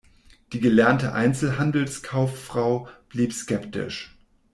Die gelernte Einzelhandelskauffrau blieb skeptisch.